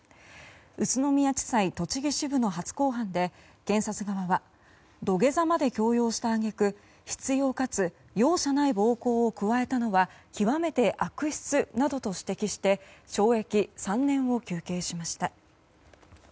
宇都宮地裁栃木支部の初公判で、検察側は土下座まで強要した揚げ句執拗かつ容赦ない暴行を加えたのは極めて悪質などと指摘して懲役３年を求刑しました。